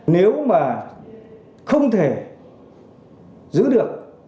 nếu mà không thể giữ được